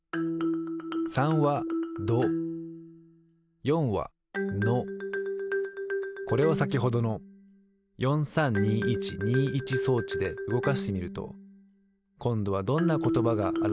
３は「ど」４は「の」これをさきほどの４３２１２１装置でうごかしてみるとこんどはどんなことばがあらわれるでしょう？